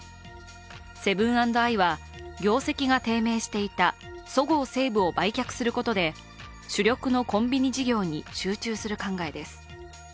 セブン＆アイは業績が低迷していた、そごう・西武を売却することで主力のコンビニ事業に集中する考えです。